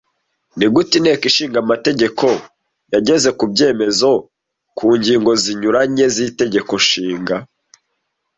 Nigute Inteko ishinga amategeko yageze ku byemezo ku ngingo zinyuranye z'Itegeko Nshinga